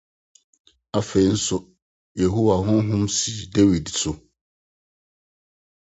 Afei nso, “ Yehowa honhom sii Dawid so. ”